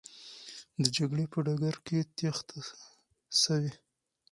د جګړې په ډګر کې تېښته سوې.